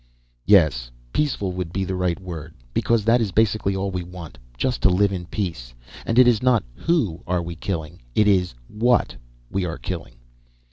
"Yes, peaceful would be the right word. Because that is basically all we want. Just to live in peace. And it is not who are we killing it is what we are killing."